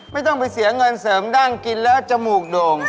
ไม่ต้องไปเสียเงินเสริมด้านกินแล้วจมูกโด่ง